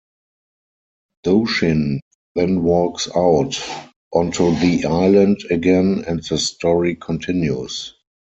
Doshin then walks out onto the island again and the story continues.